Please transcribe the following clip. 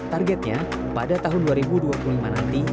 targetnya pada tahun dua ribu dua puluh lima nanti